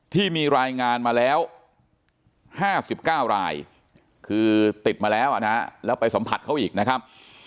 ที่มีรายงานมาแล้ว๕๙รายคือติดมาแล้วนะฮะแล้วไปสัมผัสเขาอีกนะครับ